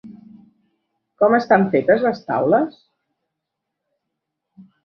Com estan fetes les taules?